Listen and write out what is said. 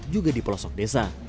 juga di pelosok desa